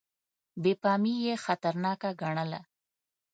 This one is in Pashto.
بې پامي یې خطرناکه ګڼله.